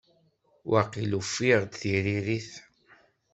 Waqil ufiɣ-d tiririt.